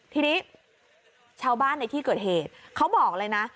ทีนี้ชาวบ้านในที่เกิดเหตุเขาบอกเลยนะ